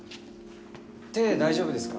手大丈夫ですか？